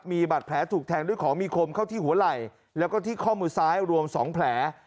มีบาดแผลถูกแทงด้วยของมีคมเข้าที่หัวไหล่แล้วก็ที่ข้อมือซ้ายรวม๒แผล